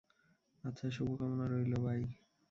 আচ্ছা, শুভ কামনা রইলো, বাই।